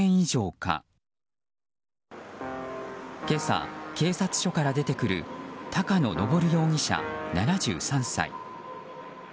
今朝、警察署から出てくる高野登容疑者、７３歳。